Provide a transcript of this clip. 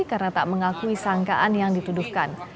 karena tak mengakui sangkaan yang dituduhkan